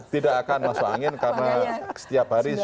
tidak akan masuk angin karena setiap hari